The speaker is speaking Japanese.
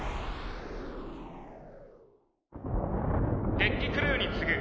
デッキクルーに告ぐ。